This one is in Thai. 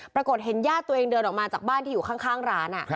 ปรากฏเห็นญาติตัวเองเดินออกมาจากบ้านที่อยู่ข้างร้าน